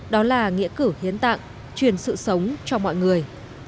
đó là nghĩa cử hiến tạng truyền sự sống cho mọi người